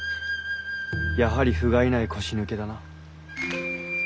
やはりふがいない腰抜けだな。